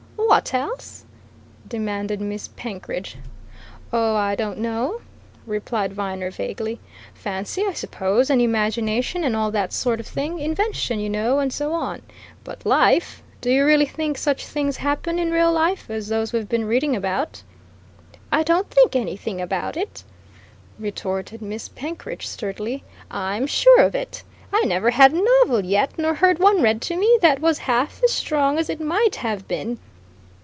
"What else?" demanded Miss Penkridge. "Oh I don't know," replied Viner vaguely. "Fancy, I suppose, and imagination, and all that sort of thing invention, you know, and so on. But life! Do you really think such things happen in real life, as those we've been reading about?" "I don't think anything about it," retorted Miss Penkridge sturdily. "I'm sure of it. I never had a novel yet, nor heard one read to me, that was half as strong as it might have been!"